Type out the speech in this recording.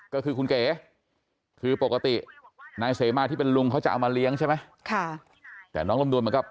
ก็คือคุณเก๋คือปกตินายเสมาที่เป็นลุงเขาจะเอามาเลี้ยงใช่ไหมค่ะแต่น้องลำดวนมันก็